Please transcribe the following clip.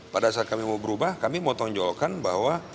pada saat kami mau berubah kami mau tonjolkan bahwa